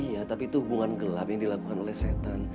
iya tapi itu hubungan gelap yang dilakukan oleh setan